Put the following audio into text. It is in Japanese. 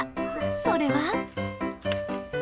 それは。